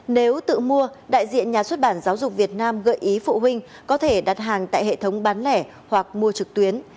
nếu tự mua đại diện nhà xuất bản giáo dục việt nam gợi ý phụ huynh có thể đặt hàng tại hệ thống bán lẻ hoặc mua trực tuyến